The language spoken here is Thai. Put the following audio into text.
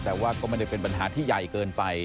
แต่ว่าก็ไม่ได้เป็นปัญหาที่ใหญ่เกินไป